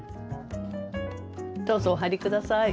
どうぞ、お入りください。